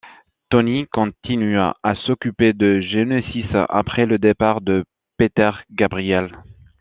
Tony continue à s'occuper de Genesis après le départ de Peter Gabriel.